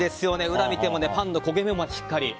裏を見てもパンの焦げ目までしっかり。